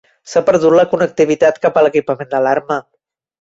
S'ha perdut la connectivitat cap a l'equipament d'alarma.